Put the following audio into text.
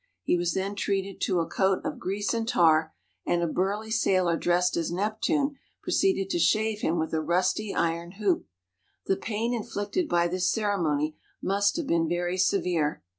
He was then treated to a coat of grease and tar, and a burly sailor dressed as Neptune proceeded to shave him with a rusty iron hoop. The pain inflicted by this ceremony must have been very severe.